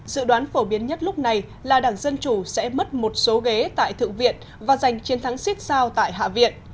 dự đoán phổ biến nhất lúc này là đảng dân chủ sẽ mất một số ghế tại thượng viện và giành chiến thắng siết sao tại hạ viện